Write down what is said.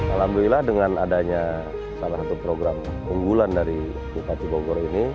alhamdulillah dengan adanya salah satu program unggulan dari bupati bogor ini